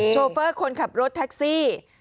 โชเฟอร์คนขับรถแท็กซี่